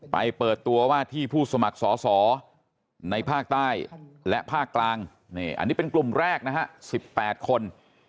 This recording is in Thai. เปิดตัวว่าที่ผู้สมัครสอสอในภาคใต้และภาคกลางอันนี้เป็นกลุ่มแรกนะฮะ๑๘คน